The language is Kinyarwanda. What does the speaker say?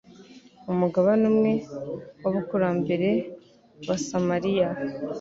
Umugabane umwe w'abakurambere b'Aasamariya,